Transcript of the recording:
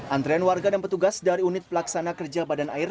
antrean warga dan petugas dari unit pelaksana kerja badan air